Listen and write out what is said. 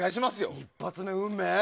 一発目、「運命」？